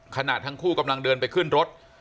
ขณะทั้งคู่กำลังเดินไปขึ้นรถ